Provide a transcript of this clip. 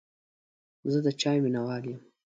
زه د چای مینهوال یم.